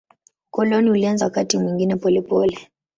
Ukoloni ulianza wakati mwingine polepole.